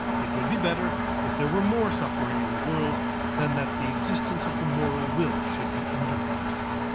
It would be better if there were more suffering in the world than that the existence of the moral will should be undermined.